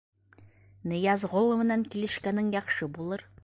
Ныязғол менән килешкәнең яҡшы булыр.